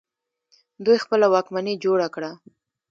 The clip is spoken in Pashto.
دوی خپله واکمني جوړه کړه